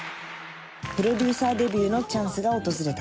プロデューサーデビューのチャンスが訪れた。